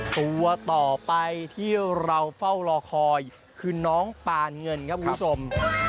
ตัวต่อไปที่เราเฝ้ารอคอยคือน้องปานเงินครับคุณผู้ชม